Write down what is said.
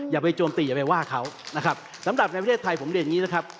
อย่าไปโจมตีอย่าไปว่าเขานะครับสำหรับในประเทศไทยผมเรียนอย่างนี้นะครับ